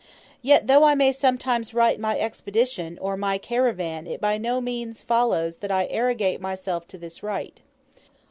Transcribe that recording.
Yet though I may sometimes write, "my expedition," or "my caravan," it by no means follows that I arrogate to myself this right.